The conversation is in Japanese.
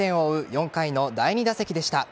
４回の第２打席でした。